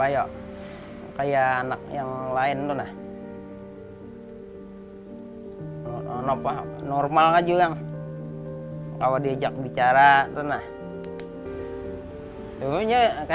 ya enak yang lain nona hai jijik kenapa normal aja yan kalau diajak bicara tenah to polymer